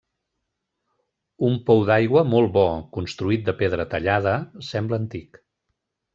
Un pou d'aigua molt bo, construït de pedra tallada, sembla antic.